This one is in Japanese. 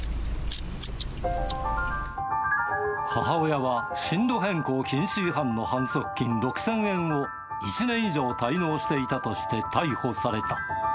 母親は進路変更禁止違反の反則金６０００円を１年以上、滞納していたとして逮捕された。